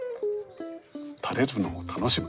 たれるのを楽しむ。